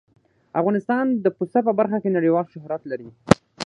افغانستان د پسه په برخه کې نړیوال شهرت لري.